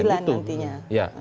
nah itu diperhatikan nantinya